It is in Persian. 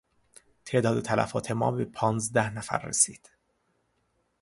تعداد تلفات ما به پانزده نفر رسید.